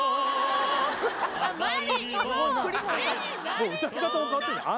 もう歌い方も変わってんじゃん